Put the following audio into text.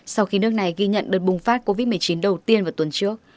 sau khi nước này ghi nhận đợt bùng phát covid một mươi chín đầu tiên vào tuần trước